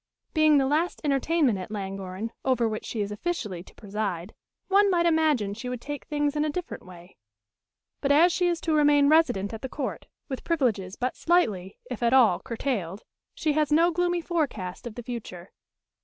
Being the last entertainment at Llangorren over which she is officially to preside, one might imagine she would take things in a different way. But as she is to remain resident at the Court, with privileges but slightly, if at all, curtailed, she has no gloomy forecast of the future.